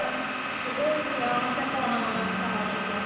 すごい幸せそうなのが伝わってきます。